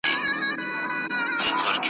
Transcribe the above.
دعقبا دغه توښه و حساب واخله